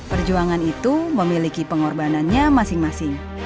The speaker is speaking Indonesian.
perjuangan itu memiliki pengorbanannya masing masing